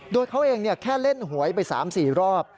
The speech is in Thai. โดยเขาเองแค่เล่นหวยไป๓๔รอบ